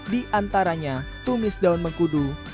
diantaranya tumis daun mengkudu